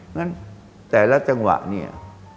งั้นแต่ละจังหวะเนี่ย